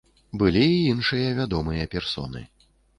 Былі і іншыя вядомыя персоны.